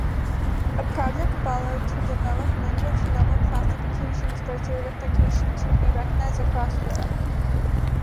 A project followed to develop language-level classifications for certification to be recognized across Europe.